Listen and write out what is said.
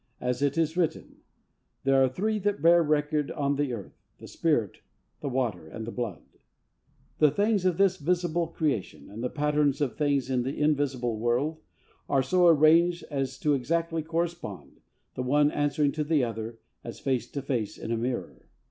As it is written "There are three that bear record on the earth; the spirit, the water, and the blood." The things of this visible creation, are the patterns of things in the invisible world; and are so arranged as to exactly correspond the one answering to the other, as face to face in a mirror.